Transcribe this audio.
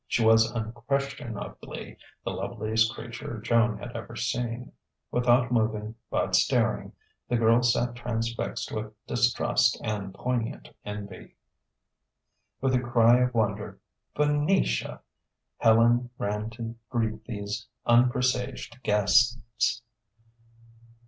She was unquestionably the loveliest creature Joan had ever seen. Without moving, but staring, the girl sat transfixed with distrust and poignant envy. With a cry of wonder "Venetia!" Helena ran to greet these unpresaged guests.